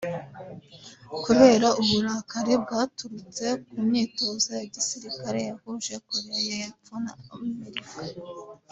kubera uburakari bwaturutse ku myitozo ya gisirikare yahuje Korea y’Epfo na Amerika